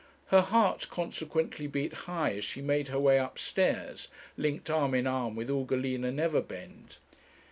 Her heart consequently beat high as she made her way upstairs, linked arm in arm with Ugolina Neverbend.